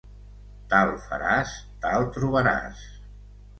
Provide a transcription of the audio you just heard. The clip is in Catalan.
Tal faràs tal trobaràs